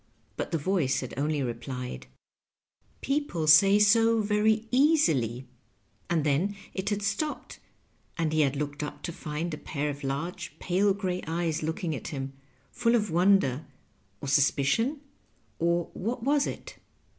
But the voice had only replied, "People say so very easily," and then it had stopped, and he had looked up to find a pair of large pale gray eyes looking at him, full of wonder, or sus picion — or what was it